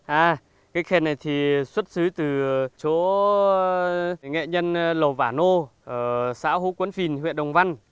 à cái khen này thì xuất xứ từ chỗ nghệ nhân lầu vả nô ở xã hố quấn phìn huyện đồng văn